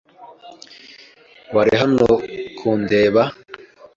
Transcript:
Wari hano kundeba?